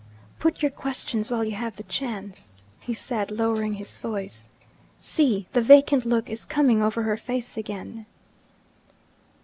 'Put your questions while you have the chance,' he said, lowering his voice. 'See! the vacant look is coming over her face again.'